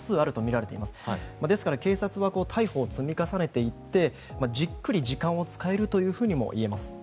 ですから警察は逮捕を積み重ねていってじっくり時間を使えるともいえます。